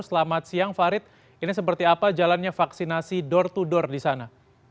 selamat siang farid ini seperti apa jalannya vaksinasi door to door di sana